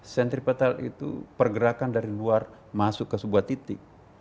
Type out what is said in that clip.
centripetal itu pergerakan dari luar masuk ke sebuah titik